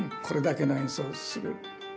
「これだけの演奏をする。